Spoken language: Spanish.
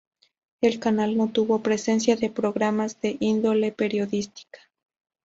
El canal no tuvo presencia de programas de índole periodística.